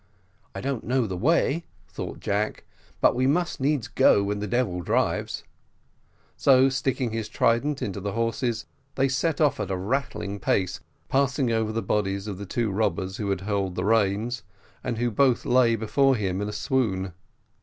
"I don't know the way," thought Jack, "but we must needs go when the devil drives;" so sticking his trident into the horses, they set off at a rattling pace, passing over the bodies of the two robbers, who had held the reins, and who both lay before him in a swoon.